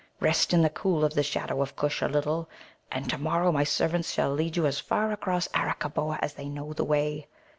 Rest in the cool of the shadow of Kush a little, and to morrow my servants shall lead you as far across Arakkaboa as they know the way.